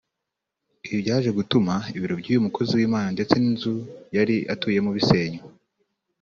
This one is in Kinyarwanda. Ibi byaje gutuma ibiro by’uyu mukozi w’Imana ndetse n’inzu yari atuyemo bisenywa